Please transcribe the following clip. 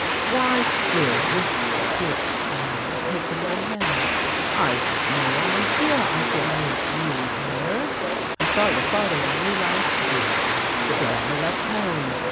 "Why, Hugh!" he exclaimed, taking my hand. "I had no idea I should meet you here I saw your father only last week, the day I left home."